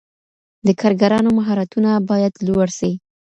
د کارګرانو مهارتونه باید لوړ سي.